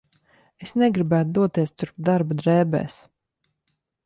Es negribētu doties turp darba drēbēs.